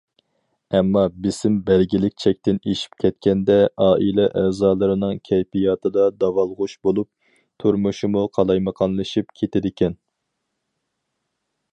ئەمما، بېسىم بەلگىلىك چەكتىن ئېشىپ كەتكەندە، ئائىلە ئەزالىرىنىڭ كەيپىياتىدا داۋالغۇش بولۇپ، تۇرمۇشىمۇ قالايمىقانلىشىپ كېتىدىكەن.